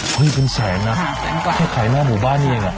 เฮ้ยเป็นแสนอ่ะแค่ขายหน้าหมู่บ้านเนี่ยเองอ่ะ